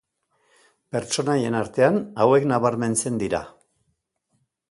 Pertsonaien artean, hauek nabarmentzen dira.